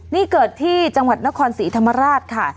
นี่เกิดที่จังหวัดนครศรีธรรมราชค่ะ